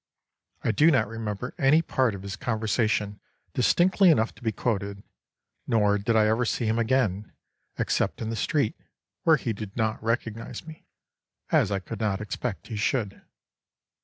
I do not remember any part of his conversation distinctly enough to be quoted, nor did I ever see him again, except in the street, where he did not recognise me, as I could not expect he should."